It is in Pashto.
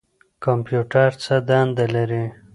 کمپیوټر څه دنده لري؟